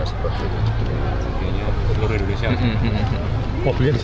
mas berarti kemungkinan berubah